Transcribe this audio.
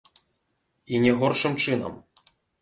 І не горшым чынам!